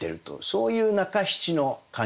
そういう中七の感じ。